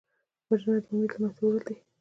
وژنه د امید له منځه وړل دي